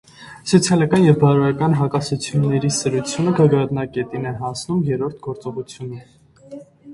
Սոցիալական և բարոյական հակասությունների սրությունը գագաթնակետին է հասնում երրորդ գործողությունում։